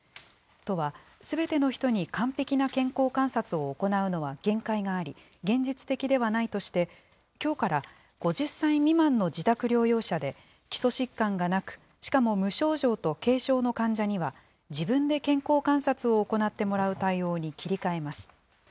都は、すべての人に完璧な健康観察を行うのは限界があり、現実的ではないとして、きょうから、５０歳未満の自宅療養者で基礎疾患がなく、しかも無症状と軽症の患者には、自分で健康観察を行ってもらう対応に切り替えます。